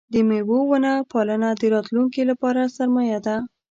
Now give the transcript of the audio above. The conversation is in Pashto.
د مېوو ونه پالنه د راتلونکي لپاره سرمایه ده.